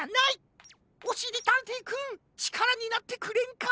おしりたんていくんちからになってくれんか？